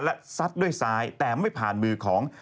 และซัดด้วยซ้ายแต่ไม่ผ่านมือของ